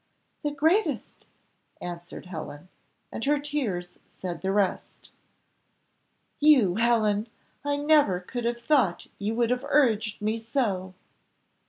"The greatest," answered Helen; and her tears said the rest. "You, Helen! I never could have thought you would have urged me so!"